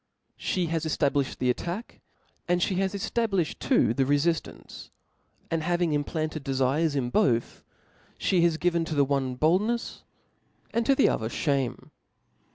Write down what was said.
She has cflabliflied the attack* and ftie has cftablUhed too the rcfiftance ; and having implanted dcfircs in both, flic has given to the one boldnefs, and to the other fljanie.